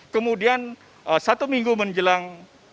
kemudian satu minggu menjelang